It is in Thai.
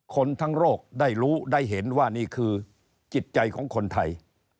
คนทั้งโรคได้รู้ได้เห็นว่านี่คือจิตใจของคนไทย